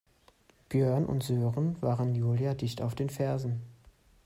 Björn und Sören waren Julia dicht auf den Fersen.